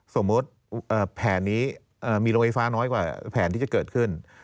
สมมุติแผนนี้มีโรงไฟฟ้าน้อยกว่าแผนที่จะเกิดขึ้น